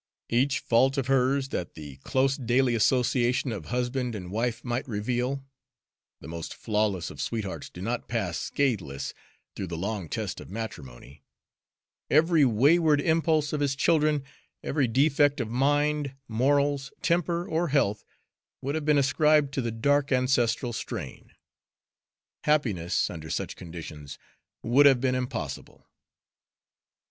Each fault of hers that the close daily association of husband and wife might reveal, the most flawless of sweethearts do not pass scathless through the long test of matrimony, every wayward impulse of his children, every defect of mind, morals, temper, or health, would have been ascribed to the dark ancestral strain. Happiness under such conditions would have been impossible.